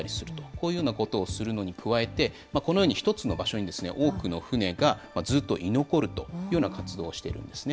こういうようなことをするのに加えて、このように１つの場所に多くの船がずっと居残るというような活動をしているんですね。